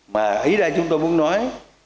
mà ý là chúng tôi muốn nói